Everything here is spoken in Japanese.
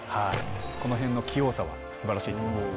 このへんの器用さは素晴らしいと思いますね。